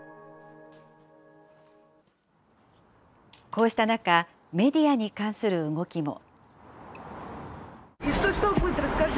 こうした中、メディアに関する動きも。